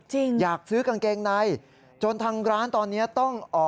จริง